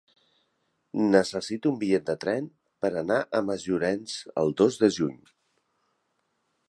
Necessito un bitllet de tren per anar a Masllorenç el dos de juny.